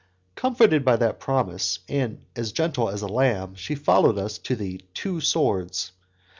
Comforted by that promise, and as gentle as a lamb, she follows us to the "Two Swords."